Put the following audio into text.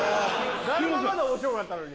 だるままで面白かったのに。